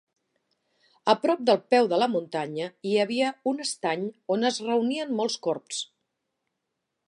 A prop del peu de la muntanya hi havia un estany on es reunien molts corbs.